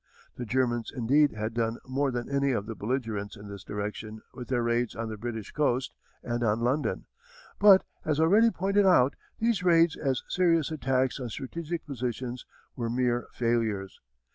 The Germans indeed had done more than any of the belligerents in this direction with their raids on the British coast and on London. But, as already pointed out, these raids as serious attacks on strategic positions were mere failures.